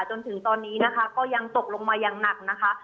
จนถึงตอนนี้นะคะก็ยังตกลงมาอย่างหนักนะคะ